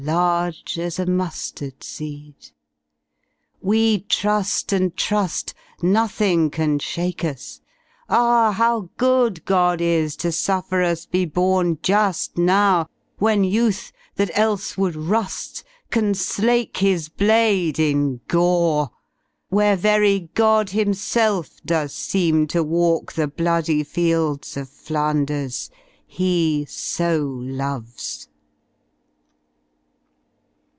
Large as a musiard seed) — we truii and truH, Nothmg can shake tis! Ah^ how good God is To suffer m be bornju§l now, when youth That else would rulf, can slake his blade in gore. Where very God Himself does seem to walk The bloody fields of Flanders He so loves!